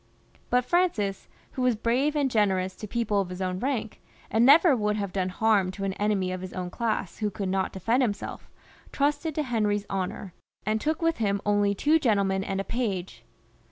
But Francis, who was brave and generous to people of his own rank, and never would have done harm to an enemy of his own class who could not defend himself, trusted to Henry's honour, and took with him only two gentlemen and a page.